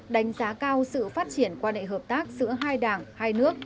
đánh giá cao sự phát triển quan hệ hợp tác giữa hai đảng hai nước